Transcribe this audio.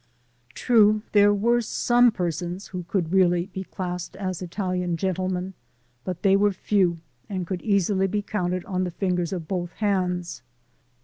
True, there were some persons who could really be classed as Italian gentlemen, but they were few and could easily be counted on the fingers of both hands.